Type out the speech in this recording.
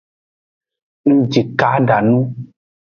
Ngjikada nu.